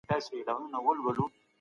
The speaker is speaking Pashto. هر څوک د خپل بدن د خوندیتوب حق لري.